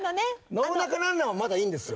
『ノブナカなんなん？』はまだいいんですよ。